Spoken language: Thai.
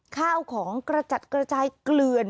ข้าวของกระจัดกระจายเกลือน